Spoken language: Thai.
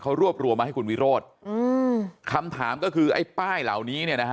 เขารวบรวมมาให้คุณวิโรธอืมคำถามก็คือไอ้ป้ายเหล่านี้เนี่ยนะฮะ